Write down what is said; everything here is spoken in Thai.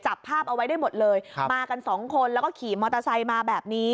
จับภาพเอาไว้ได้หมดเลยมากันสองคนแล้วก็ขี่มอเตอร์ไซค์มาแบบนี้